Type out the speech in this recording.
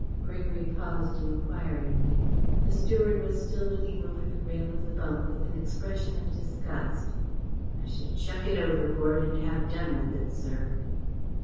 Gregory paused enquiringly. The steward was still looking over the rail of the bunk with an expression of disgust. "I should chuck it overboard and have done with it, sir."